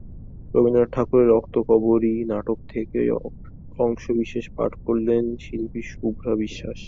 রবীন্দ্রনাথ ঠাকুরের রক্তকরবী নাটক থেকে অংশবিশেষ পাঠ করেন শিল্পী শুভ্রা বিশ্বাস।